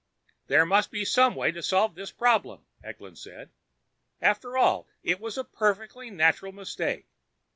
"There must be some way to solve this problem," Eklund said. "After all it was a perfectly natural mistake.